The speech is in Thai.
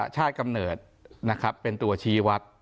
ชาติกำเนิดเป็นตัวชีวัตต์